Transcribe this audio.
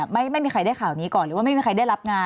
ไม่มีใครได้ข่าวนี้ก่อนหรือว่าไม่มีใครได้รับงาน